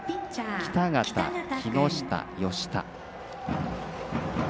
北方、木下、吉田。